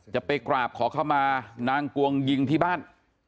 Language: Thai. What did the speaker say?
จะไปกราบขอเข้ามานางกวงยิงที่บ้าน